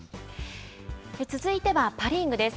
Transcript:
続いてはパ・リーグです。